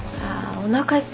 おなかいっぱい。